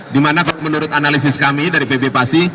dimana menurut analisis kami dari pb pasi